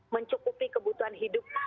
mencukupi kebutuhan hidup